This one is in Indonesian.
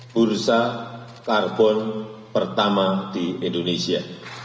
bursa karbon pertama di indonesia